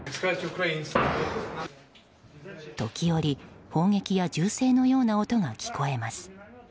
時折、砲撃や銃声のような音が聞こえます。